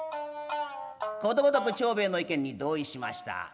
ことごとく長兵衛の意見に同意しました。